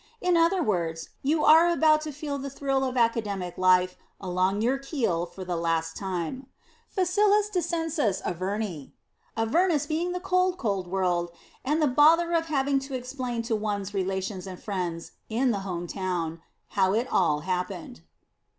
In other words, you are about to feel the thrill of Academic life along your keel for the last time. Facilis descensus Averni: Avernus being the cold, cold world, and the bother of having to explain to one's relations and friends in the home town how it all happened.